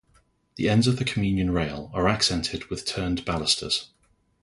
The ends of the communion rail are accented with turned balusters.